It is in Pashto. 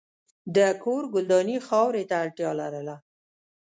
د کور ګلداني خاورې ته اړتیا لرله.